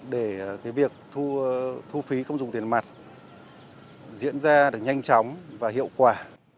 để cái việc thu phí không dùng tiền mặt diễn ra được nhanh chóng và hiệu quả